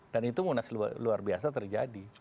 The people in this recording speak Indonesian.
dan itu munas luar biasa terjadi